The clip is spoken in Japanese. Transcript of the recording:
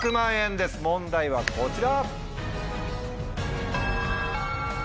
問題はこちら。